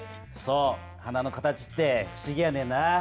そう花の形って不思議やねんな。